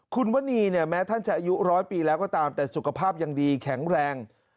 คุณวนีเนี่ยแม้ท่านจะอายุร้อยปีแล้วก็ตามแต่สุขภาพยังดีแข็งแรง